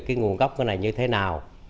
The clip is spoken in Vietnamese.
cái nguồn gốc này như thế nào